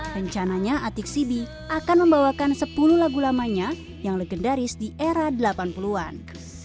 rencananya atik sibi akan membawakan sepuluh lagu lamanya yang legendaris di era delapan puluh an